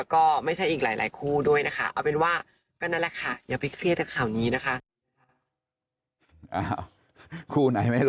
คู่ไหนไม่รู้